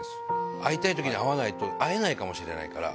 会いたいときに会わないと、会えないかもしれないから。